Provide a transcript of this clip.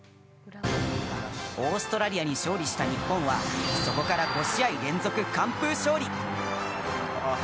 オーストラリアに勝利した日本はそこから５試合連続完封勝利。